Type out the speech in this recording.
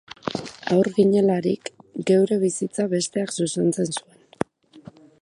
Haur ginelarik, geure bizitza bestek zuzentzen zuen